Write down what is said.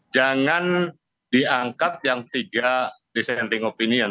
jangan diangkat yang tiga dissenting opinion